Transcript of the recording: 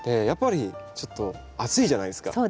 やっぱりちょっと暑いじゃないですか。